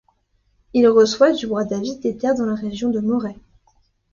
Il reçoit du roi David des terres dans la région de Moray.